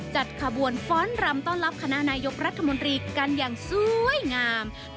จัดขบวนฟ้อนรำต้อนรับคณะนายกรัฐมนตรีกันอย่างสวยงาม